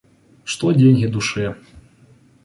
Что деньги душе?